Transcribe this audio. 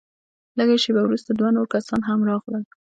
لږه شېبه وروسته دوه نور کسان هم راغلل.